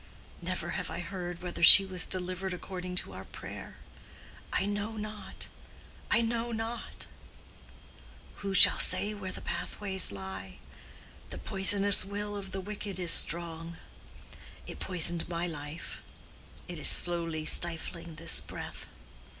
Never have I heard whether she was delivered according to our prayer. I know not, I know not. Who shall say where the pathways lie? The poisonous will of the wicked is strong. It poisoned my life—it is slowly stifling this breath.